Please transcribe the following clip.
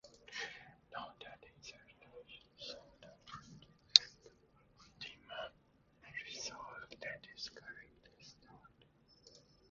Note that insertion sort produces the optimum result, that is, a correctly sorted list.